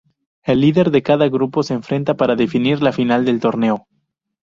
El líder de cada grupo se enfrenta para definir la final del torneo.